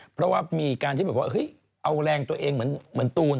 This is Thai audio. เพราะว่ามีการที่แบบว่าเฮ้ยเอาแรงตัวเองเหมือนตูน